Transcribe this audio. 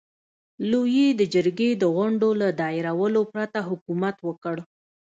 لويي د جرګې د غونډو له دایرولو پرته حکومت وکړ.